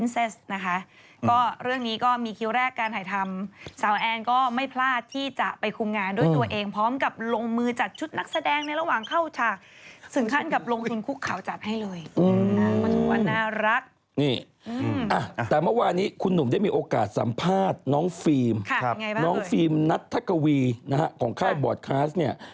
สึงขั้นกับลงทุนคู่ข่าวจัดให้เลย